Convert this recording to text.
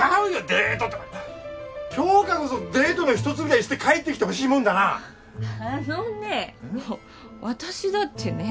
デートとか杏花こそデートの一つぐらいして帰ってきてほしいもんだなあのね